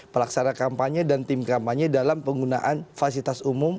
pelaksana kampanye dan tim kampanye dalam penggunaan fasilitas umum